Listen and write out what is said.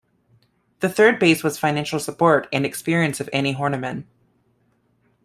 The third base was financial support and experience of Annie Horniman.